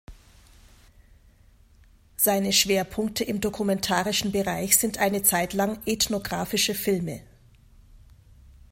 Seine Schwerpunkte im dokumentarischen Bereich sind eine Zeit lang ethnographische Filme.